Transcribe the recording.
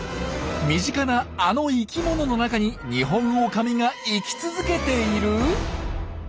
身近なあの生きものの中にニホンオオカミが生き続けている？